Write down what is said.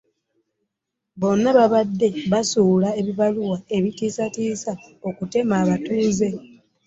Bano baabadde basuula ebibaluwa ebitiisatiisa okutema abatuuze.